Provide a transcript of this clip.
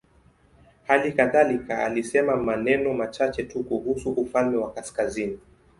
Hali kadhalika alisema maneno machache tu kuhusu ufalme wa kaskazini.